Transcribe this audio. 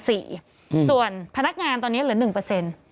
ส่วนพนักงานตอนนี้เหลือ๑